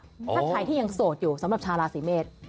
ถ้าใครที่ยังโสดอยู่สำหรับชาวราศีเมษ